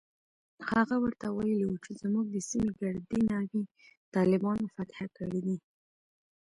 هغه ورته ويلي و چې زموږ د سيمې ګردې ناوې طالبانو فتح کړي دي.